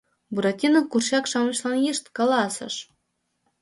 Буратино курчак-шамычлан йышт каласыш: